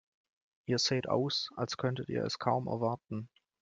Ihr seht aus, als könntet ihr es kaum erwarten.